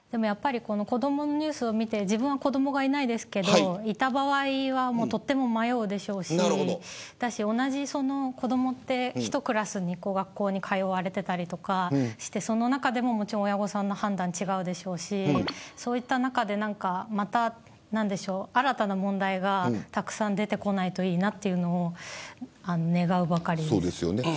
やっぱり子どものニュースを見て自分は子どもがいないですけどいた場合はとても迷うでしょうし同じ子どもって１クラスに学校に通われてたりとかしてその中でも親御さんの判断違うでしょうし、そういった中でまた新たな問題がたくさん出てこないといいなっていうのを願うばかりです。